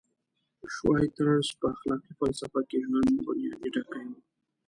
شوایتزر په اخلاقي فلسفه کې ژوند بنیادي ټکی و.